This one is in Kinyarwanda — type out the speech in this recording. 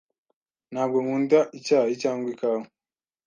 Ntabwo nkunda icyayi cyangwa ikawa.